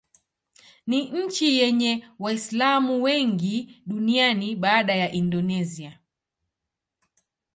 Ni nchi yenye Waislamu wengi duniani baada ya Indonesia.